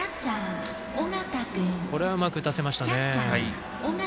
これはうまく打たせましたね。